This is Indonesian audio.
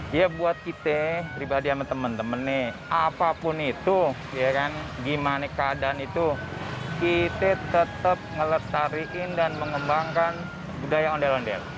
ya buat kita pribadi sama temen temennya apapun itu gimana keadaan itu kita tetep ngelestarikan dan mengembangkan budaya ondel ondel